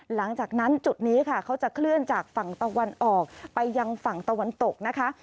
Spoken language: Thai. หลังจากนั้นจุดนี้ค่ะเขาจะเคลื่อนจากฝั่งตะวันออกไปยังฝั่งตะวันตกนะคะ